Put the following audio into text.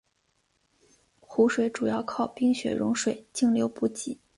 湖水主要靠冰雪融水径流补给。